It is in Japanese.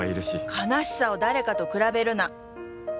悲しさを誰かと比べるな。